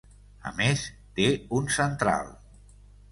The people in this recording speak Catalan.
A més, té un central.